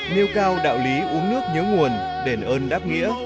nêu cao đạo lý uống nước nhớ nguồn đền ơn đáp nghĩa